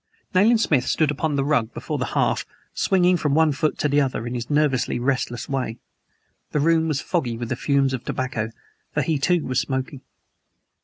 Nayland Smith stood upon the rug before the hearth, swinging from one foot to the other, in his nervously restless way. The room was foggy with the fumes of tobacco, for he, too, was smoking.